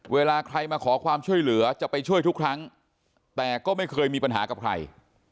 เวลาใครมาขอความช่วยเหลือจะไปช่วยทุกครั้งแต่ก็ไม่เคยมีปัญหากับใคร